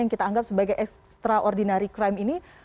yang kita anggap sebagai extraordinary crime ini